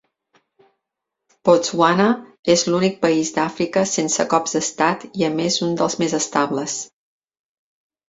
Botswana és l'únic país d'Àfrica sense cops d'estat i a més un dels més estables.